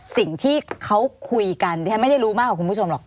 สิ่งที่เขาคุยกันดิฉันไม่ได้รู้มากกว่าคุณผู้ชมหรอก